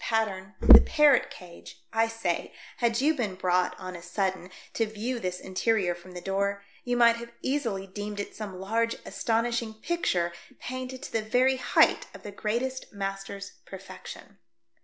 pattern, the parrot cage — I say, had you been brought on a sudden to view this interior from the door, you might have easily deemed it some large astonishing picture painted to the very height of the greatest master's perfection.